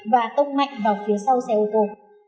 và tốc mạnh vào phía sau xe ô tô